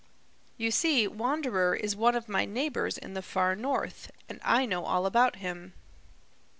You see, Wanderer is one of my neighbors in the Far North, and I know all about him."